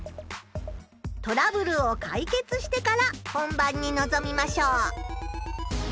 トラブルをかいけつしてから本番にのぞみましょう。